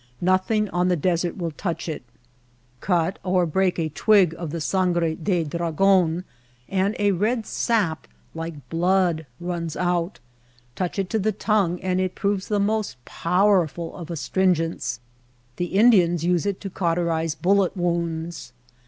Nothing on the desert will touch it. Cut or break a twig of the sangre de dragon and a red sap like blood runs out. Touch it to the tongue and it proves the most powerful of astringents. The Indians use it to cauterize bullet wounds.